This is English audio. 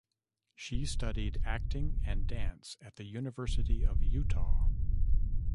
She studied acting and dance at the University of Utah.